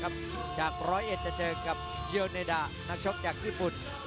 จากร้อยเอ็ดจะเจอกับเยอร์เนดานักชกจากญี่ปุ่น